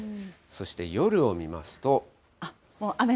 そして夜を見ますと。